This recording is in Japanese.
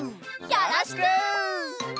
よろしく！